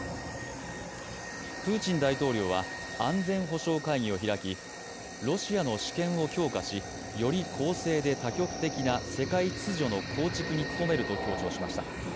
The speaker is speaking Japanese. プーチン大統領は安全保障会議を開きロシアの主権を強化し、より公正で多極的な世界秩序の構築に努めると強調しました。